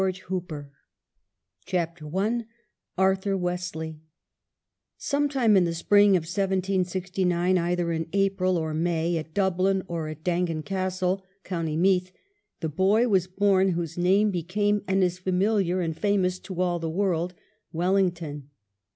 250 WELLINGTON CHAPTEE I ARTHUR WESLEY Sometime in the spring of 1769, either in April or May, at Dublin or in Dangan Castle, County Meath, the boy was born whose name became, and is, familiar and famous to all the world — Wellington.